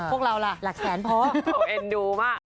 พวกเราล่ะหลักแสนพอเอ็นดูมาก